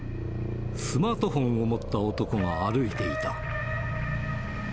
スマートフォンを持った男が歩いていた。